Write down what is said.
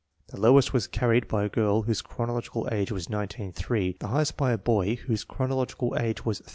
The lowest was earned by a girl whose chronological age was 19 3, the highest by a boy whose chronological age was 13 8.